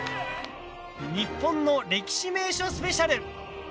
日本の歴史名所スペシャル。